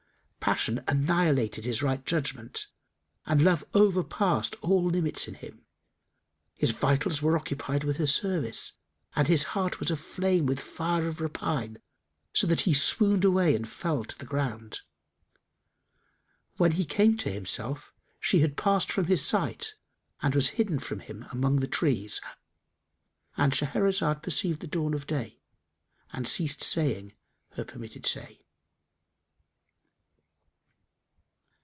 Passion annihilated his right judgment and love overpassed all limits in him; his vitals were occupied with her service and his heart was aflame with the fire of repine, so that he swooned away and fell to the ground. When he came to himself, she had passed from his sight and was hidden from him among the trees;——And Shahrazad perceived the dawn of day and ceased saying her permitted say.